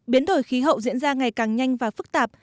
biến đổi khí hậu diễn ra ngày càng nhanh và phức tạp